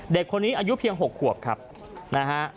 เด็กคนนี้อายุเพียง๖ขวบครับนะฮะ